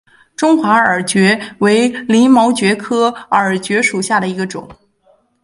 中华耳蕨为鳞毛蕨科耳蕨属下的一个种。